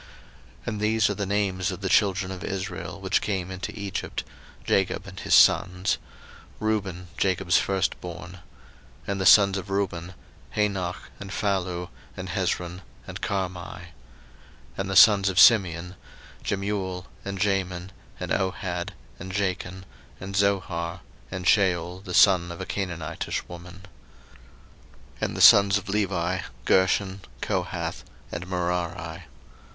01:046:008 And these are the names of the children of Israel, which came into Egypt, Jacob and his sons: Reuben, Jacob's firstborn. 01:046:009 And the sons of Reuben; Hanoch, and Phallu, and Hezron, and Carmi. 01:046:010 And the sons of Simeon; Jemuel, and Jamin, and Ohad, and Jachin, and Zohar, and Shaul the son of a Canaanitish woman. 01:046:011 And the sons of Levi; Gershon, Kohath, and Merari.